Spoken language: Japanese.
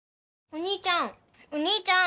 お兄ちゃん。